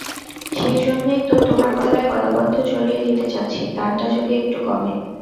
সেইজন্যেই তো তোমার গলায় গলাবদ্ধ জড়িয়ে দিতে চাচ্ছি– তানটা যদি একটু কমে।